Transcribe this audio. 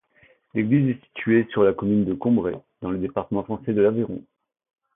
L'église est située sur la commune de Combret, dans le département français de l'Aveyron.